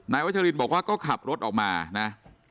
นายวจริงบอกว่าก็ขับรถออกมานะ